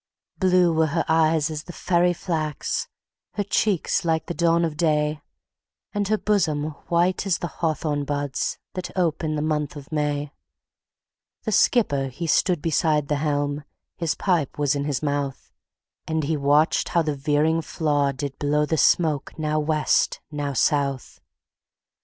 Blue were her eyes as the fairy flax, Her cheeks like the dawn of day, And her bosom white as the hawthorn buds The ope in the month of May. The skipper he stood beside the helm, His pipe was in his mouth, And he watched how the veering flaw did blow The smoke now West, now South.